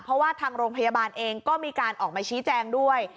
เพราะว่าทางโรงพยาบาลเองก็มีการออกมาชี้แจงด้วย